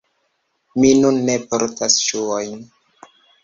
Mi nun ne portas ŝuojn